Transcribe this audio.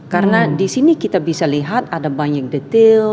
karena di sini kita bisa lihat ada banyak detail